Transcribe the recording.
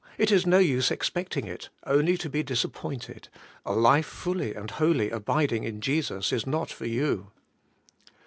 It is no use expecting it, only to be disappointed ; a life fully and wholly abiding in Jesus is not for you.